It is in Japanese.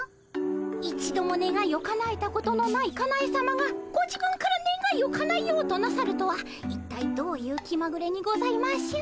一度もねがいをかなえたことのないかなえさまがご自分からねがいをかなえようとなさるとは一体どういう気まぐれにございましょう。